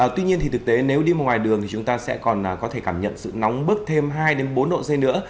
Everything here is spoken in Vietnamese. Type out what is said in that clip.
tuy nhiên thì thực tế nếu đi một ngoài đường thì chúng ta sẽ còn có thể cảm nhận sự nóng bước thêm hai bốn độ c nữa